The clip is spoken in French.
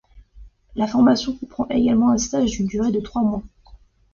La formation comprend également un stage d'une durée de trois mois.